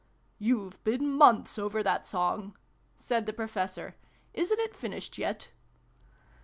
" You've been months over that song," said the Professor. " Isn't it finished yet